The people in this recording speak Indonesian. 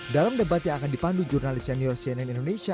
dalam debat yang akan dipandu jurnalis senior cnn indonesia